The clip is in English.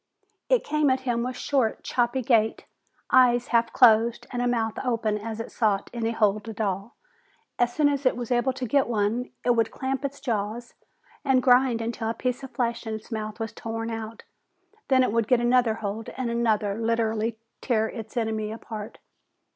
It came at him with a short, choppy gait, eyes half closed and mouth open as it sought any hold at all. As soon as it was able to get one, it would clamp its jaws and grind until the piece of flesh in its mouth was torn out. Then it would get another hold, and another, and literally tear its enemy apart.